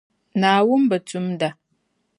Naawuni bi tumda.